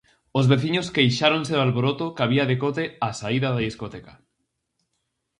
Os veciños queixáronse do alboroto que había decote á saída da discoteca.